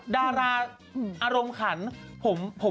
แต่เราไม่บอกใครพี่พ่า